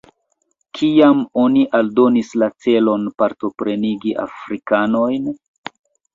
Kiam oni aldonis la celon partoprenigi afrikanojn?